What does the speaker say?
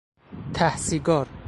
ته سیگار